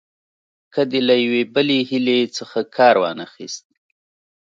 که دې له یوې بلې حیلې څخه کار وانه خیست.